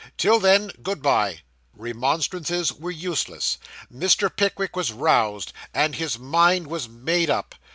Till then, good bye!' Remonstrances were useless. Mr. Pickwick was roused, and his mind was made up.